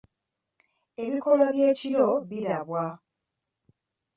Ebikoola by’ekiryo biriibwa.